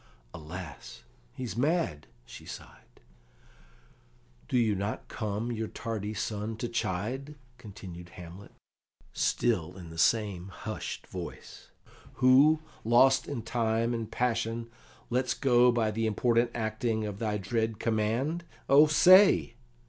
"Alas, he's mad!" she sighed. "Do you not come your tardy son to chide?" continued Hamlet, still in the same hushed voice, "who, lost in time and passion, lets go by the important acting of thy dread command? Oh, say!"